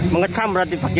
mengecam berarti pak gaya